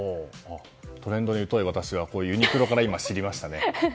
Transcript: トレンドにうとい私はユニクロから知りましたね。